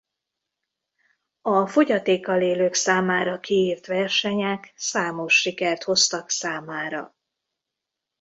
A fogyatékkal élők számára kiírt versenyek számos sikert hoztak számára.